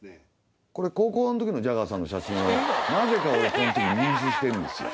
これ高校の時のジャガーさんの写真をなぜか俺その時入手してるんですよ。